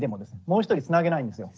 もう１人つなげないんですよ。